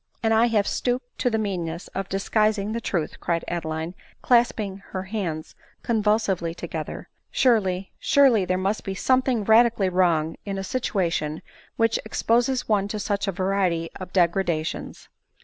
" And I have stooped to the meanness of disguising the truth !" cried Adeline, clasping her hands convulsive ly together ;" surely, surely there must be something radically wrong in a situation which exposes one to such a variety of degradations